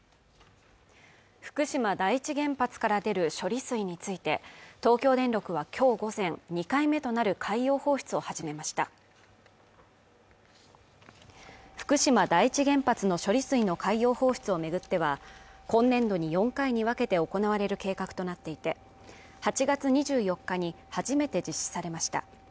福島第一原発から出る処理水について東京電力はきょう午前２回目となる海洋放出を始めました福島第一原発の処理水の海洋放出を巡っては今年度に４回に分けて行われる計画となっていて８月２４日に初めて実施されました